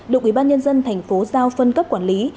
được ủy ban nhân dân thành phố giao phân cấp quản lý